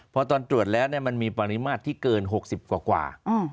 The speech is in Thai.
พอตอนตรวจแล้วมันมีปริมาตรที่เกิน๖๐กว่า